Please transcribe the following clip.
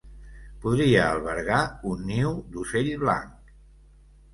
Podria albergar un niu d'ocell blanc.